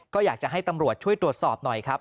ก็อยากจะให้ตำรวจช่วยตรวจสอบหน่อยครับ